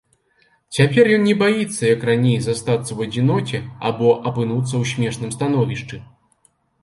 Цяпер ён не баіцца, як раней, застацца ў адзіноце або апынуцца ў смешным становішчы.